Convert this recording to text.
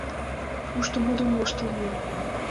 Кушто модын-воштылмем